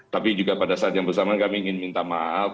tapi juga pada saat yang bersamaan kami ingin minta maaf